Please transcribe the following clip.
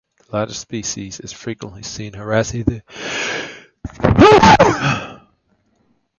The latter species is frequently seen harassing the tropicbirds, boobies and terns.